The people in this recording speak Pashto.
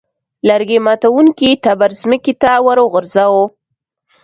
لرګي ماتوونکي تبر ځمکې ته وغورځاوه.